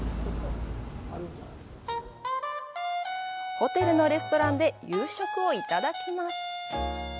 ホテルのレストランで夕食をいただきます。